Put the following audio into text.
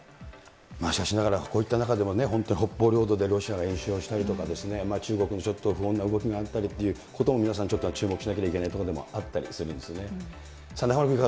しかしながら、こういった中でも本当、北方領土でロシアが演習をしたり、中国にちょっと不穏な動きがあったりということも皆さんちょっとは注目しなければいけないところでもあったりするんですね。